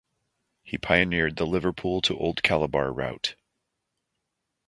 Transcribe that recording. He pioneered the Liverpool to Old Calabar route.